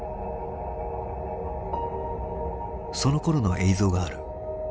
そのころの映像がある。